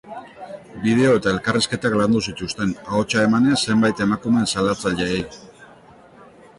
Bideo eta elkarrizketak landu zituzten, ahotsa emanez zenbait emakume salatzaileei.